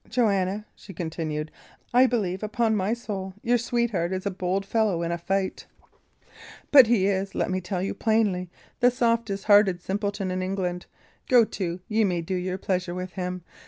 "Joanna," she continued, "I believe, upon my soul, your sweetheart is a bold fellow in a fight, but he is, let me tell you plainly, the softest hearted simpleton in England. Go to ye may do your pleasure with him!